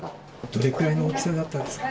どれくらいの大きさだったんですか？